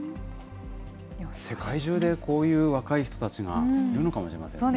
世界中でこういう若い人たちがいるのかもしれませんね。